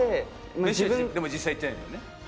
飯はでも実際行ってないんだよね？